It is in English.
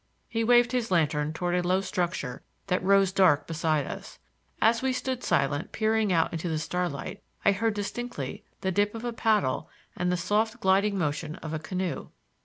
He waved his lantern toward a low structure that rose dark beside us. As we stood silent, peering out into the starlight, I heard distinctly the dip of a paddle and the soft gliding motion of a canoe.